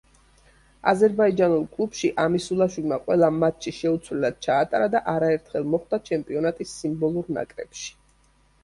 აზერბაიჯანულ კლუბში ამისულაშვილმა ყველა მატჩი შეუცვლელად ჩაატარა და არაერთხელ მოხვდა ჩემპიონატის სიმბოლურ ნაკრებში.